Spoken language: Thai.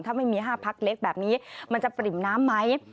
ถ้าไม่มี๕พักเล็กแบบนี้มันจะปริ่มน้ำไหม